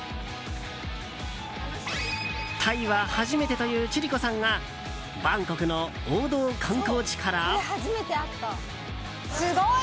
タイは初めてという千里子さんがバンコクの王道観光地から。